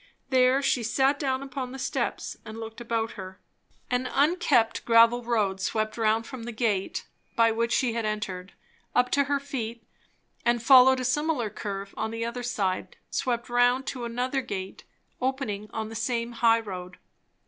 There she sat down upon the steps and looked about her. An unkept gravel road swept round from the gate by which she had entered, up to her feet, and following a similar curve on the other side swept round to another gate, opening on the same high road.